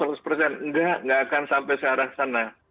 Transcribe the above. tidak tidak akan sampai searah sana